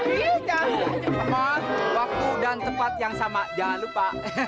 iya waktu dan tempat yang sama jangan lupa